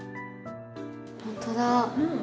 本当だ。